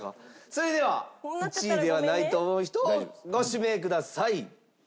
それでは１位ではないと思う人をご指名ください。